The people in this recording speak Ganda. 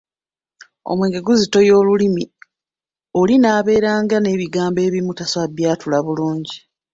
Omwenge guzitoya olulimi oli n'abeera nga n'ebigambo ebimu tasobola kubyatula bulungi.